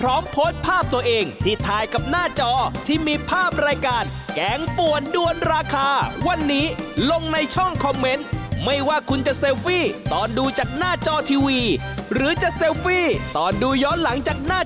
๓หมูพันธุ์สาหร่าย๑๕กรัม๑๕ชิ้นต่อแพ็ก